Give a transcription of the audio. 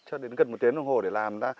cho đến gần một tiếng đồng hồ để làm ra